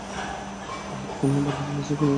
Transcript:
পাহাড়ি কন্যা বলা হয় বাংলাদেশের কোন জেলাকে?